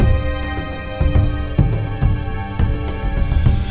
suaranya kok kayak